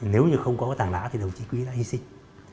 nếu như không có cái tảng đá thì đồng chí quý đã hy sinh